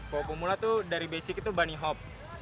kalau pemula tuh dari basic itu bunny hop